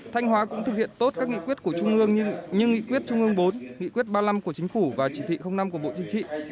thanh hóa cũng thực hiện tốt các nghị quyết của trung ương như nghị quyết trung ương bốn nghị quyết ba mươi năm của chính phủ và chỉ thị năm của bộ chính trị